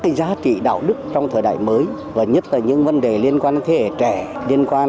cái giá trị đạo đức trong thời đại mới và nhất là những vấn đề liên quan đến thế hệ trẻ liên quan